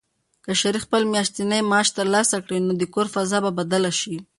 که شریف خپل میاشتنی معاش ترلاسه کړي، نو د کور فضا به بدله شي.